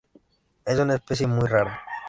Es una especie muy rara.